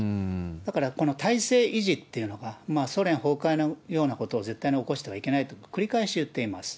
だから、この体制維持っていうのが、ソ連崩壊のようなことを絶対に起こしてはいけないと、繰り返し言っています。